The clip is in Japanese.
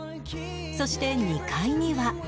そして２階には